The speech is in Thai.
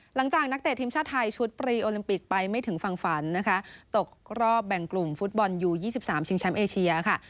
นักเตะทีมชาติไทยชุดปรีโอลิมปิกไปไม่ถึงฝั่งฝันนะคะตกรอบแบ่งกลุ่มฟุตบอลยู๒๓ชิงแชมป์เอเชียค่ะ